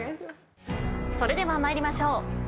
それでは参りましょう。